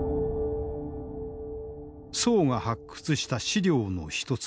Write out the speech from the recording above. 宋が発掘した資料の一つ